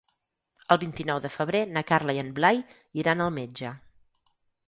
El vint-i-nou de febrer na Carla i en Blai iran al metge.